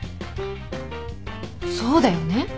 そうだよね。